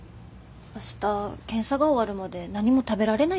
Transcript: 明日検査が終わるまで何も食べられないんでしょ？